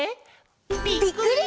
ぴっくり！